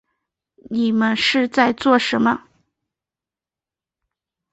你们是在做什么